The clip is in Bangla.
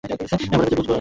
কতবার যে বুঝাবো তোকে।